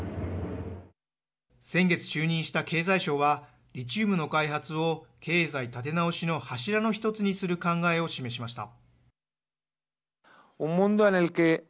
先月、就任した経済相はリチウムの開発を経済立て直しの柱の１つにする考えを示しました。